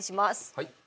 はい。